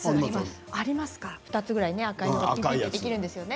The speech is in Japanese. ２つぐらい赤いのができるんですよね。